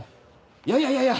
いやいやいやいや！